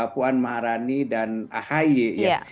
puan maharani dan ahy ya